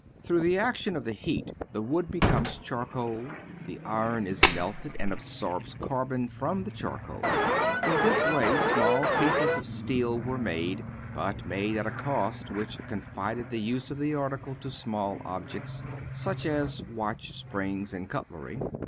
Through the action of the heat the wood becomes charcoal, the iron is melted and absorbs carbon from the charcoal. In this way small pieces of steel were made, but made at a cost which confined the use of the article to small objects, such as watch springs and cutlery.